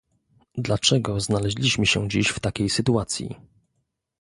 Dlaczego znaleźliśmy się dziś w takiej sytuacji?